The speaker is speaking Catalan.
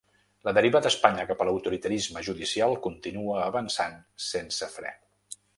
La deriva d’Espanya cap a l’autoritarisme judicial continua avançant sense fre.